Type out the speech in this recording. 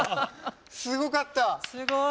すごかった！